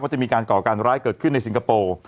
จะมีการก่อการร้ายเกิดขึ้นในสิงคโปร์